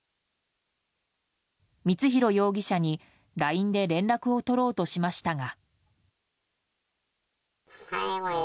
光弘容疑者にＬＩＮＥで連絡を取ろうとしましたが。